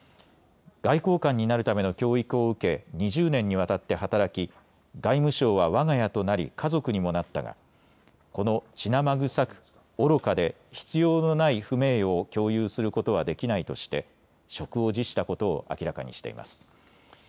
外交官になるための教育を受け２０年にわたって働き、外務省はわが家となり家族にもなったがこの血生臭く愚かで必要のない不名誉を共有することはできないとして職を辞したことを明らかにしています。